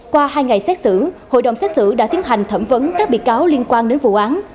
qua hai ngày xét xử hội đồng xét xử đã tiến hành thẩm vấn các bị cáo liên quan đến vụ án